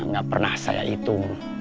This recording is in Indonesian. gak pernah saya hitung